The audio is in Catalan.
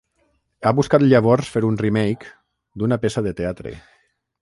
Ha buscat llavors fer un remake, d'una peça de teatre.